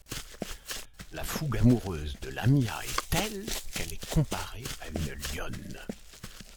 La fougue amoureuse de Lamia est telle qu'elle est comparée à une lionne.